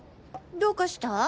どうかした？